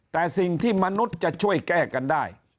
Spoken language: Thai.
แต่สิ่งที่มนุษย์จะช่วยแก้กันได้